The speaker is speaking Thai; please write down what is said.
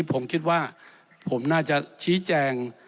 ผมคิดว่าผมน่าจะชี้แจง